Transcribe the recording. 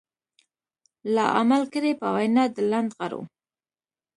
لا عمل کړي په وينا د لنډغرو.